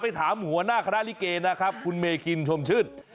ถามหัวหน้าคณะลิเกนะครับคุณเมคินชมชื่น